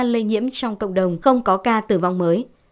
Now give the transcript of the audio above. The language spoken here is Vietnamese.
lây nhiễm trong cộng đồng không có ca tử vong mới